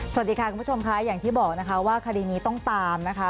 สวัสดีค่ะคุณผู้ชมค่ะอย่างที่บอกนะคะว่าคดีนี้ต้องตามนะคะ